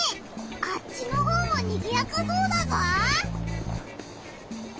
あっちのほうもにぎやかそうだぞ！